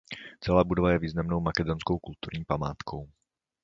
Celá budova je významnou makedonskou kulturní památkou.